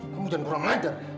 kamu jangan kurang ajar